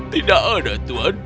tidak ada tuan